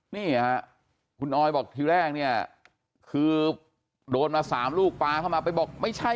นี่ค่ะคุณออยบอกทีแรกเนี่ยคือโดนมา๓ลูกปลาเข้ามาไปบอกไม่ใช่